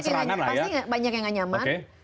pasti banyak yang nggak nyaman